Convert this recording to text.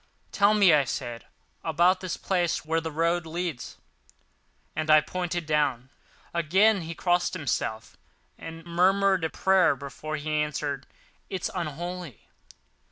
"Tell me," I said, "about this place where the road leads," and I pointed down. Again he crossed himself and mumbled a prayer, before he answered, "It is unholy."